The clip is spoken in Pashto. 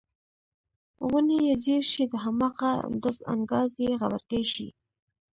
غونی یې ځیږ شي د هماغه ډز انګاز یې غبرګې شي.